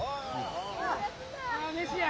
飯や！